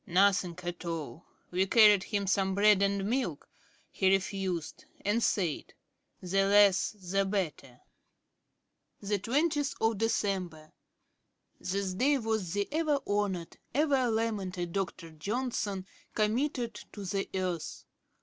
"Nothing at all. We carried him some bread and milk he refused it, and said: 'The less the better.'"' 'Dec. 20. This day was the ever honoured, ever lamented Dr. Johnson committed to the earth.